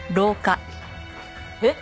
えっ？